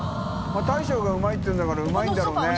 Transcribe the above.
臂うまいって言うんだからうまいんだろうね。